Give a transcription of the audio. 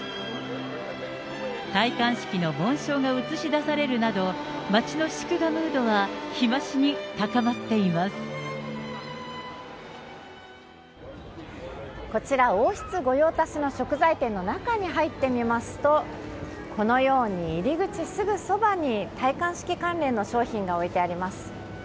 戴冠式の紋章が映し出されるなど、街の祝賀ムードは日増しに高まっこちら、王室御用達の食材店の中に入ってみますと、このように入り口すぐそばに戴冠式関連の商品が置いてあります。